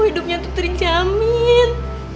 hidupnya tuh terjamin